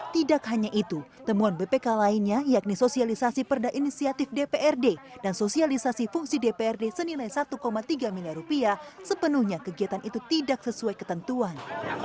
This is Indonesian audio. tidak hanya itu temuan bpk lainnya yakni sosialisasi perda inisiatif dprd dan sosialisasi fungsi dprd senilai satu tiga miliar rupiah sepenuhnya kegiatan itu tidak sesuai ketentuan